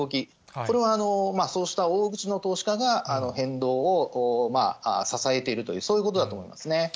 これはそうした大口の投資家が変動を支えているという、そういうことだと思いますね。